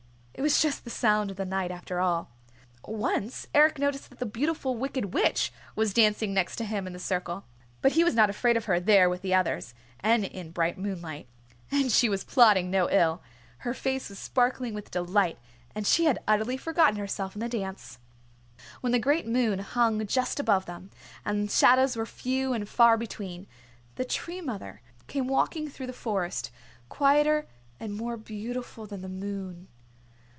It was just the sound of the night after all. Once Eric noticed that the Beautiful Wicked Witch was dancing next to him in the circle but he was not afraid of her there with the others, and in bright moonlight. And she was plotting no ill. Her face was sparkling with delight and she had utterly forgotten herself in the dance. When the great moon hung just above them, and shadows were few and far between, the Tree Mother came walking through the Forest, quieter and more beautiful than the moon.